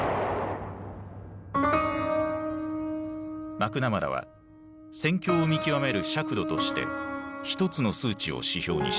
マクナマラは戦況を見極める尺度として一つの数値を指標にした。